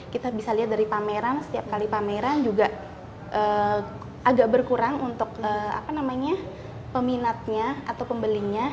kita bisa lihat dari pameran setiap kali pameran juga agak berkurang untuk peminatnya atau pembelinya